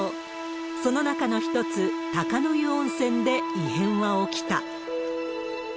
その中の一つ、鷹の湯温泉で異変は起きた。